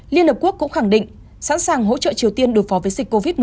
liên hợp quốc cũng khẳng định sẵn sàng hỗ trợ triều tiên đối phó với dịch covid một mươi chín